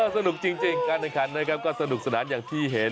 สนุกจริงการแข่งขันนะครับก็สนุกสนานอย่างที่เห็น